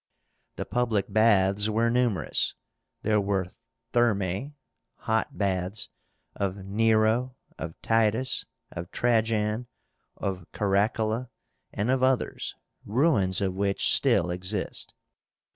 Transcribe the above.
The PUBLIC BATHS were numerous. There were Thermae (hot baths) of Nero, of Titus, of Trajan, of Caracalla, and of others, ruins of which still exist.